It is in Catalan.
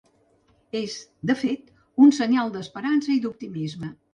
És, de fet, un senyal d’esperança i d’optimisme.